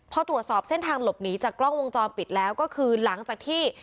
พอตรวจสอบเส้นทางหลบหนีจากกล้องวงจรปิดแล้วก็คือหลังจากที่